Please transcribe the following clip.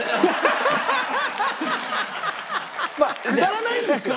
まあくだらないんですよ。